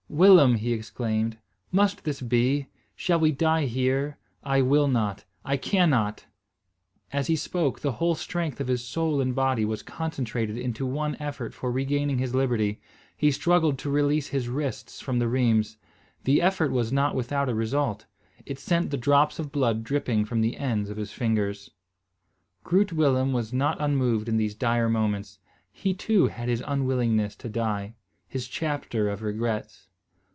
"Willem," he exclaimed, "must this be? Shall we die here? I will not, I cannot!" As he spoke, the whole strength of his soul and body was concentrated into one effort for regaining his liberty. He struggled to release his wrists from the rheims. The effort was not without a result. It sent the drops of blood dripping from the ends of his fingers. Groot Willem was not unmoved in these dire moments. He too had his unwillingness to die, his chapter of regrets.